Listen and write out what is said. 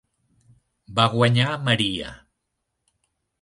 Va guanyar Maria.